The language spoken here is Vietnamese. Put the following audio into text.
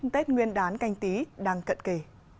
tết nguyên đán canh tí đang cận kỳ